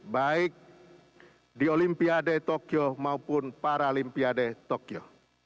baik di olimpiade tokyo maupun paralimpiade tokyo